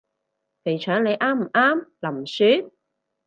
肥腸你啱唔啱？林雪？